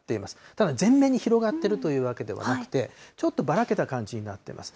ただ、全面に広がっているというわけではなくて、ちょっとばらけた感じになってます。